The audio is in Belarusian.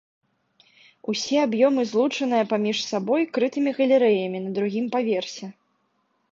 Усе аб'ёмы злучаныя паміж сабой крытымі галерэямі на другім паверсе.